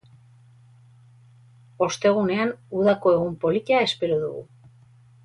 Ostegunean udako egun polita espero dugu.